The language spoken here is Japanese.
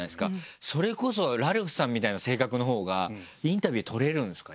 それこそラルフさんみたいな性格のほうがインタビューとれるんですか？